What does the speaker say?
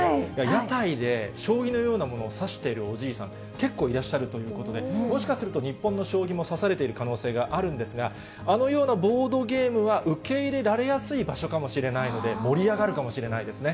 屋台で将棋のようなものを指しているおじいさん、結構いらっしゃるということで、もしかすると、日本の将棋も指されている可能性もあるんですが、あのようなボードゲームは受け入れられやすい場所かもしれないので、盛り上がるかもしれないですね。